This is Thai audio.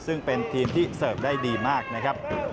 ซึ่งเป็นทีมที่เสิร์ฟได้ดีมากนะครับ